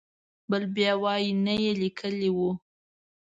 بل بیا وایي نه یې لیکلی و.